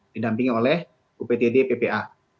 didampingi oleh uptd ppa